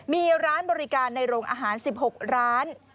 มีร้านบริการในโรงอาหาร๑๖ร้าน